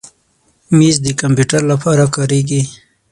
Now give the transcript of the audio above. مېز د کمپیوټر لپاره کارېږي.